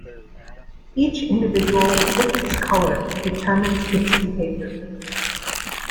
Each individual flicky's colour determines its behaviour.